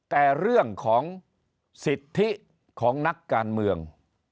แต่เรื่องของสิทธิของนักการเมือง